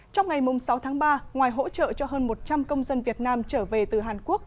trong ngày sáu tháng ba ngoài hỗ trợ cho hơn một trăm linh công dân việt nam trở về từ hàn quốc